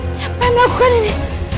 siapa yang melakukan ini